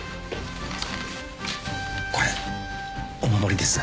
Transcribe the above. これお守りです。